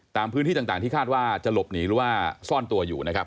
ตามพื้นที่ต่างที่คาดว่าจะหลบหนีหรือว่าซ่อนตัวอยู่นะครับ